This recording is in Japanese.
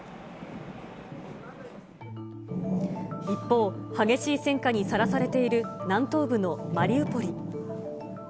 一方、激しい戦火にさらされている南東部のマリウポリ。